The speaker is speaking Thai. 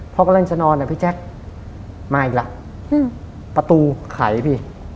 พอกำลังจะนอนอ่ะพี่แจ๊คมาอีกแล้วประตูไขพี่